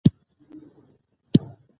ژبه د ملت پیژند پاڼه ده.